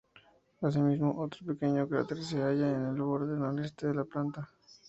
Así mismo, otro pequeño cráter se halla en el borde noreste de la planta.